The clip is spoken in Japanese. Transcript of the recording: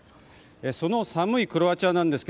その寒いクロアチアですが